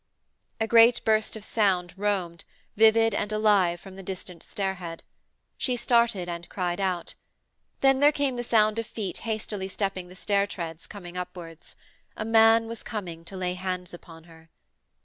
A great burst of sound roamed, vivid and alive, from the distant stairhead. She started and cried out. Then there came the sound of feet hastily stepping the stair treads, coming upwards. A man was coming to lay hands upon her!